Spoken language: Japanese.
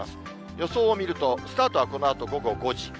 予想を見ると、スタートはこのあと午後５時。